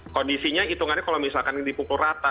kondisinya hitungannya kalau misalkan dipukul rata